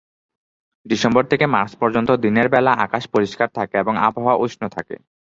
December থেকে March পর্যন্ত দিনের বেলা আকাশ পরিষ্কার থাকে এবং আবহাওয়া উষ্ণ থাকে।